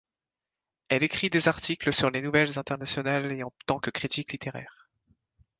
Elle écrit des articles sur les nouvelles internationales et en tant que critique littéraire.